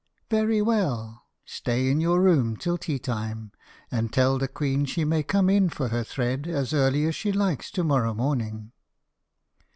"Very well; stay in your room till tea time, and tell the queen she may come in for her thread as early as she likes to morrow morning."